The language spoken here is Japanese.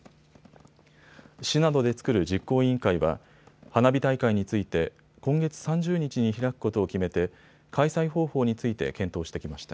市などで作る実行委員会は花火大会について今月３０日に開くことを決めて開催方法について検討してきました。